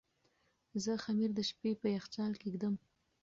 زه خمیر د شپې په یخچال کې ږدم.